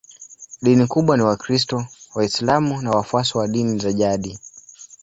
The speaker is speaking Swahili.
Dini kubwa ni Wakristo, Waislamu na wafuasi wa dini za jadi.